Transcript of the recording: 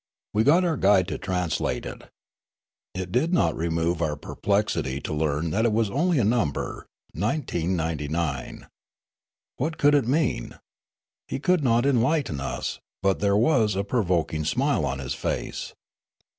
We got our guide to translate it. It did not remove our perplex ity to learn that it was only a number, 1999. What could it mean ? He could not enlighten us; but there was a provoking smile on his face.